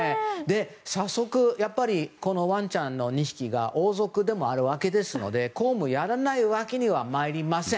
早速、このワンちゃんの２匹が王族でもあるわけですので公務をやらないわけにはまいりません。